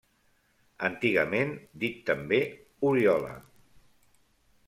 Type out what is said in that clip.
Antigament dit també Oriola.